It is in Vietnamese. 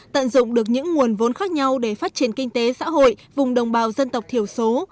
tận dụng được những nguồn vốn khác nhau để phát triển kinh tế xã hội vùng đồng bào dân tộc thiểu số